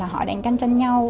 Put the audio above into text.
họ đang canh tranh nhau